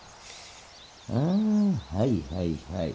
あはいはいはい。